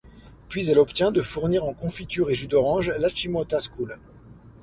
Puis elle obtient de fournir en confiture et jus d'orange l'Achimota School.